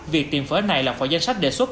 việc tiệm phở này là phỏ danh sách đề xuất